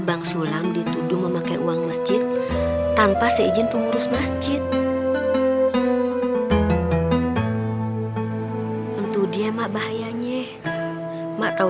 bang sulam dituduh memakai uang masjid tanpa seizin pengurus masjid untuk dia mak bahayanya mak tahu